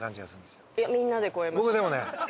僕でもね。